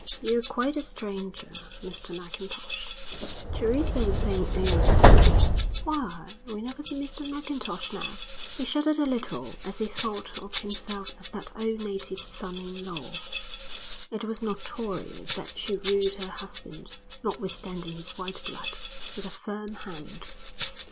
"You're quite a stranger, Mr Mackintosh. Teresa was saying only this morning: 'Why, we never see Mr Mackintosh now.'" He shuddered a little as he thought of himself as that old native's son in law. It was notorious that she ruled her husband, notwithstanding his white blood, with a firm hand.